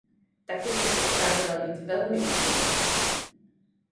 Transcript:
Taktika se ukázala být velmi účinná.